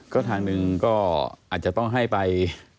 ก็ทางหนึ่งก็อาจจะต้องให้ไป